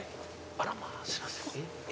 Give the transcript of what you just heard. あらますいません。